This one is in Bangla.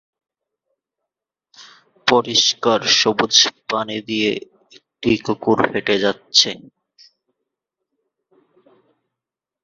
পরিষ্কার সবুজ পানি দিয়ে একটি কুকুর হেঁটে যাচ্ছে।